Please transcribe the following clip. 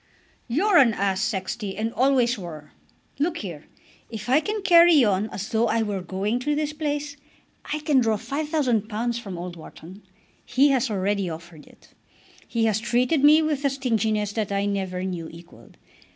"You're an ass, Sexty, and always were. Look here. If I can carry on as though I were going to this place, I can draw £5000 from old Wharton. He has already offered it. He has treated me with a stinginess that I never knew equalled.